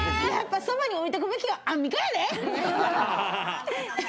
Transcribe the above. ポジティブ、やっぱりそばに置いておくべきはアンミカやで。